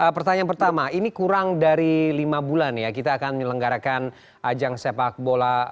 pertanyaan pertama ini kurang dari lima bulan ya kita akan menyelenggarakan ajang sepak bola